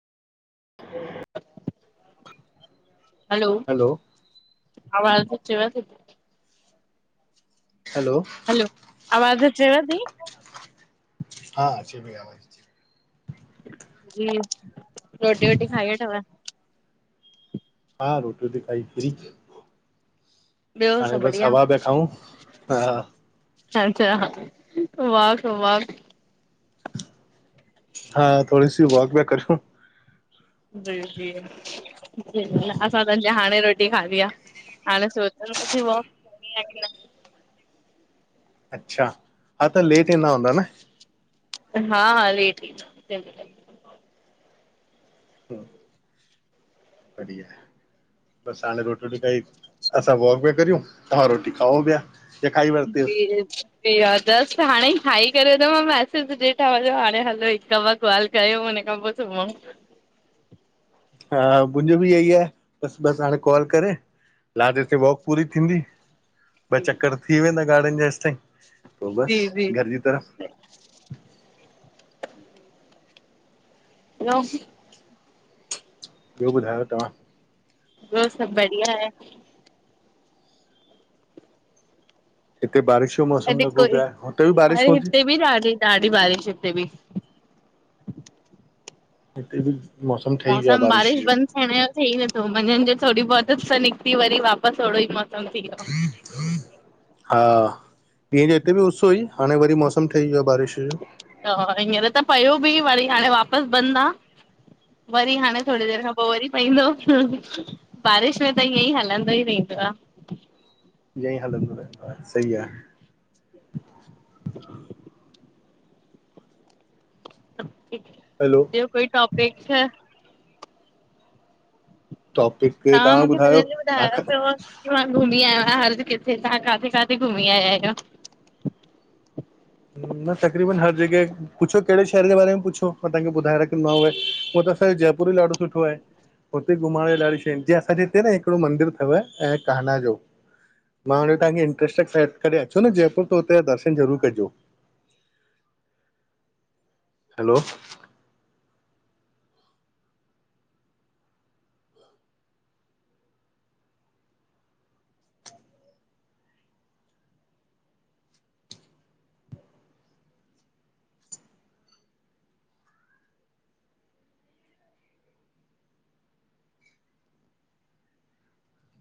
हलो आवाज़ अचेव थी। हलो हलो आवाज़ अचेव थी। हा अचे थी आवाज़। हेलो जी रोटी वोटी खाई वठव। हा रोटी वोटी खाई फ्री। ॿियो हाणे सभु बसि बढ़िया? हवा पिया खाऊं हा। अच्छा वाक वाक [unintelligible] हा थोरी सी वॉक बैेक करूं जी जी असां त अञा हाणे रोटी खाधी आहे। हाणे [unintelligible] अच्छा हा त लेट ईंदा हूंदा न। हा हा लेट ईंदा जय झूलेलाल हम बढिया बस साणे रोटी वोटी खाई। असां वॉक बि करियूं तव्हां रोटी खाओ पिया। या खाई वरितव जी जस्ट हाणे ई हाई करे मां मैसेज ॾिठा वञो हाणे हलो हिकु वक़्तु। काल कयु उन खां पोइ सुमउ हा मुंहिंजो बि इहेई आहे बसि बसि हाणे कॉल करे। लादे [unintelligible] ते वॉक पूरी थींदी। ॿ चकर थी वेंदा गार्डन जा जेसि ताईं पोइ बसि घर जी तरफ़। ॿियो ॿियो ॿुधा तव्हां? ॿियो सभु बढ़िया आहे। हिते बारिश म अॼ कल [inaudible] हिते बि ॾाढी ॾाढी बारिश हिते बि। हिते बि मौसम ठही वियो आहे बारिश जो। थियण जो थ ई [unintelligible] नथो मंझन जो थोरी बहुत उस निकिती वरी वापसि ओहिड़ो ई मौसम थी वियो। हा ॾींहं जो हिते बि उस हु ई हाणे वरी मौसम ठही वियो आहे बारिश जो। हींअर त पयो बि वरी हाणे वापसि बंदि आहे। वरी हाणे थोरी देरि खां पोइ वरी पईंदो। बारिश में त ईअं ई हलंदो ई रहंदो आहे। हियंईं हलंदो त सही आ। ठीकु। हैलो, बियो कोई टॉपिक छा? टॉपिक तां तव्हां मूंखे ॿुधायो पहिरिया हियो तव्हां ॿुधायो खां थव। मां घुमी आयो आहियां, हल किथे तव्हां काथे काथे घुमी आया आहियो? मां तक़रीबन हर जॻह पुछो कहिड़े शहर जे बारे में पुछो? मां तव्हांखे ॿुधाए रखंदोमांव उहो त असांजो जयपुर ई ॾाढो सुठो आहे। हुते घुमण जी डाढी शयूं आहिन जीअं असांजे हिते न हिकड़ो मंदरु अथव ऐं कहना जो मां हाणे तव्हांजे इंट्रस्टड सेट कॾहि अचो न जयपुर पो हुते जा दर्शन ज़रूरु कजो। हैलो,